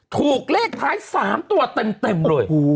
ถูกเลขท้าย๓ตัวเต็มเลย